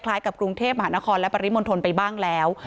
กับกรุงเทพมหานครและปริมณฑลไปบ้างแล้ว